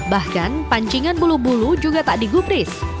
bahkan pancingan bulu bulu juga tak digubris